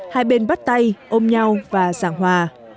hai bên bắt tay ôm nhau và giảng hòa